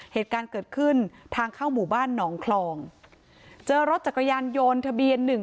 เหตุการณ์เกิดขึ้นทางเข้าหมู่บ้านหนองคลองเจอรถจักรยานยนต์ทะเบียนหนึ่ง